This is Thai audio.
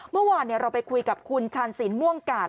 เมื่อวานเราไปคุยกับคุณชาญสินม่วงกาด